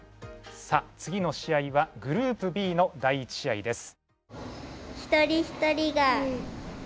さあ次の試合はグループＢの第１試合です。